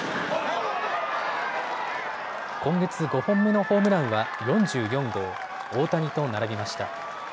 今月５本目のホームランは４４号、大谷となりました。